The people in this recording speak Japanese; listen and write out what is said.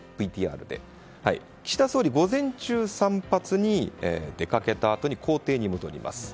岸田総理、午前中、散髪に出かけたあとに公邸に戻ります。